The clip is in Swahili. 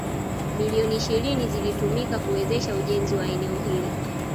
Milioni ishirini zilitumika kuwezesha ujenzi wa eneo hili.